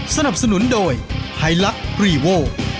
สนับสนุนโดยไฮลักษ์รีโว